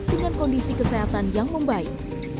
dengan kondisi kesehatan yang membaik